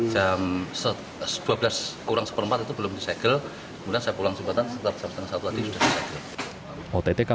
jam dua belas kurang seperempat itu belum disegel kemudian saya pulang jembatan setelah jam setengah satu tadi sudah disegel